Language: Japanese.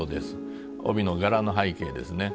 帯の柄の背景ですね。